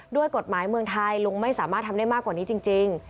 ด้วยกฎหมายเมืองไทยลุงไม่สามารถทำได้มากกว่านี้จริง